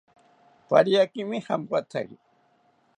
Pariakimi jampoathaki